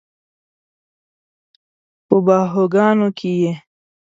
په باهوګانو کې یې